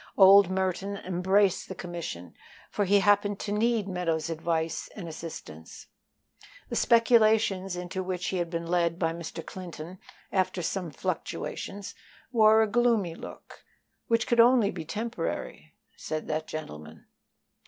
Old Merton embraced the commission, for he happened to need Meadows's advice and assistance. The speculations into which he had been led by Mr. Clinton, after some fluctuations, wore a gloomy look, "which could only be temporary," said that gentleman.